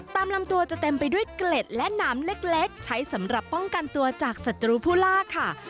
ตามลำตัวจะเต็มไปด้วยเกล็ดและหนามเล็กใช้สำหรับป้องกันตัวจากศัตรูผู้ลากค่ะ